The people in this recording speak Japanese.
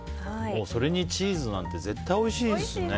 それにチーズなんて絶対おいしいですね。